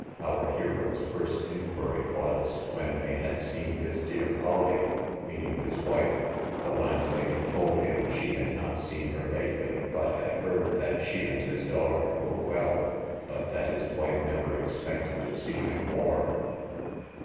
Our hero's first inquiry was, when they had seen his dear Polly, meaning his wife: the landlady told him she had not seen her lately, but had heard that she and his daughter were well; but that his wife never expected to see him more.